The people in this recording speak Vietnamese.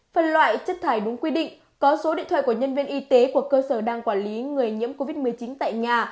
phân loại chất thải đúng quy định có số điện thoại của nhân viên y tế của cơ sở đang quản lý người nhiễm covid một mươi chín tại nhà